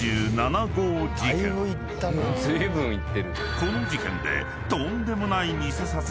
［この事件で］